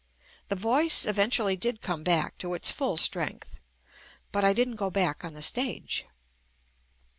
The voice eventually did come back to its full strength, but I didn't go back on the stage.